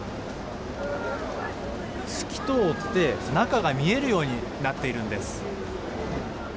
透き通って、中が見えるようになっているんです。